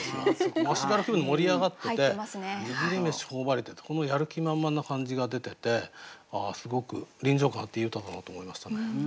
足軽気分で盛り上がってて「握りめし頬張りて」ってこのやる気満々な感じが出ててすごく臨場感あっていい歌だなと思いましたね。